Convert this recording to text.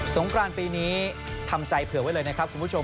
งกรานปีนี้ทำใจเผื่อไว้เลยนะครับคุณผู้ชม